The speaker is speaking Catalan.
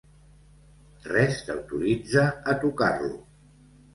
Res t'autoritza a tocar-lo.